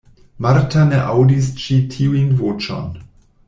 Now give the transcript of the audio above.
Marta ne aŭdis ĉi tiun voĉon.